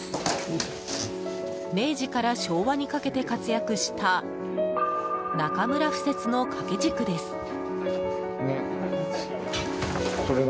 明治から昭和にかけて活躍した中村不折の掛け軸です。